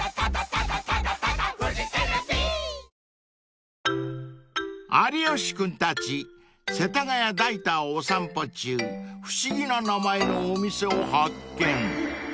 Ｎｏ．１［有吉君たち世田谷代田をお散歩中不思議な名前のお店を発見］